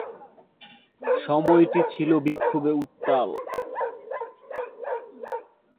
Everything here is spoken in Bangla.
সময়টি ছিল বিক্ষোভে উত্তাল।